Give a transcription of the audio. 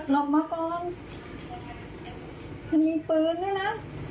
ออกมาก่อนมันมีปืนด้วยนะ